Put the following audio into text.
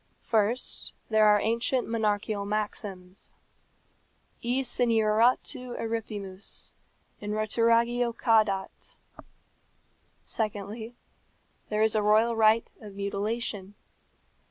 First, there are ancient monarchical maxims. E senioratu eripimus. In roturagio cadat. Secondly, there is a royal right of mutilation.